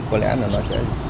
có lẽ là nó sẽ